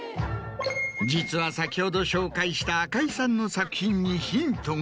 実は先ほど紹介した赤井さんの作品にヒントが。